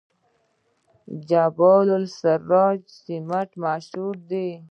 جبل السراج سمنټ مشهور دي؟